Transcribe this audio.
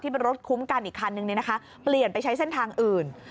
เป็นรถคุ้มกันอีกคันนึงเปลี่ยนไปใช้เส้นทางอื่น